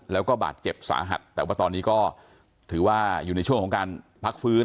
แล้วก็บาดเจ็บสาหัสแต่ว่าตอนนี้ก็ถือว่าอยู่ในช่วงของการพักฟื้น